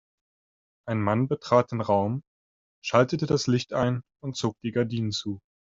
Ein Mann betrat den Raum, schaltete das Licht ein und zog die Gardinen zu.